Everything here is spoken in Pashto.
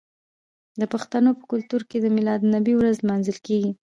د پښتنو په کلتور کې د میلاد النبي ورځ لمانځل کیږي.